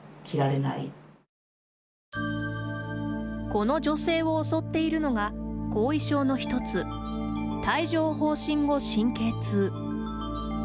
この女性を襲っているのが後遺症の一つ帯状ほう疹後神経痛。